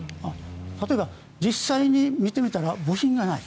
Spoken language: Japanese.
例えば、実際に見てみたら部品がない。